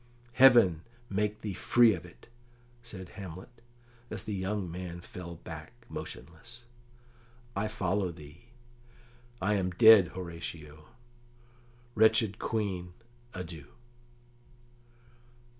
"Heaven make thee free of it!" said Hamlet, as the young man fell back motionless. "I follow thee. I am dead, Horatio. Wretched Queen, adieu!"